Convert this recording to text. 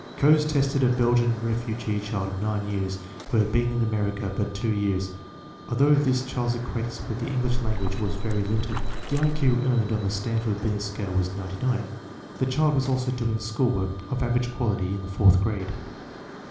Kohs tested a Belgian refugee child of nine years who had been in America but two years. Although this child's acquaintance with the English language was very limited, the I Q earned on the Stanford Binet scale was 99. The child was also doing school work of average quality in the fourth grade.